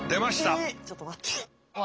えちょっと待って。